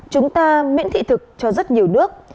chúng ta miễn thị thực cho rất nhiều nước